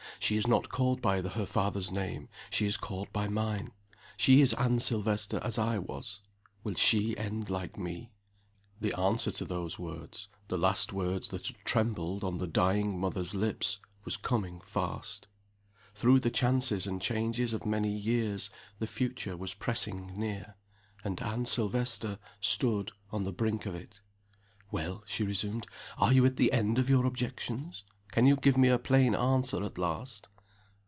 She is not called by her father's name; she is called by mine. She is Anne Silvester as I was. Will she end like Me?" The answer to those words the last words that had trembled on the dying mother's lips was coming fast. Through the chances and changes of many years, the future was pressing near and Anne Silvester stood on the brink of it. "Well?" she resumed. "Are you at the end of your objections? Can you give me a plain answer at last?"